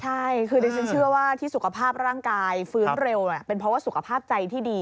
ใช่ชื่อว่าที่สุขภาพร่างกายฟื้นเร็วเป็นเพราะสุขภาพใจที่ดี